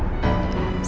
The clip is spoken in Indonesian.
saya akan menikah denganmu